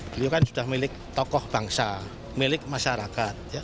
beliau kan sudah milik tokoh bangsa milik masyarakat